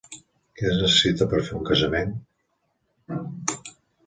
Què es necessita per fer un casament?